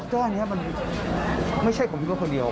ดรเนี่ยมันไม่ใช่ของพี่เบิร์ดคนเดียว